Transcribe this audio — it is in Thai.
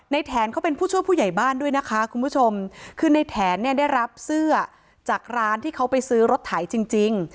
แถนเขาเป็นผู้ช่วยผู้ใหญ่บ้านด้วยนะคะคุณผู้ชมคือในแถนเนี่ยได้รับเสื้อจากร้านที่เขาไปซื้อรถไถจริงจริง